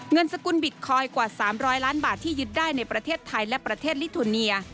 สกุลบิตคอยน์กว่า๓๐๐ล้านบาทที่ยึดได้ในประเทศไทยและประเทศลิทูเนีย